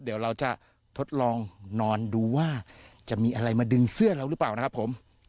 เดี๋ยวเราจะทดลองนอนดูว่าจะมีอะไรมาดึงเสื้อเราหรือเปล่านะครับผม